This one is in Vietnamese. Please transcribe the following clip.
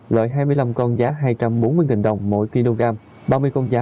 loại hai mươi năm con giá hai trăm bốn mươi đồng mỗi kg ba mươi con giá một trăm chín mươi năm đồng mỗi kg đối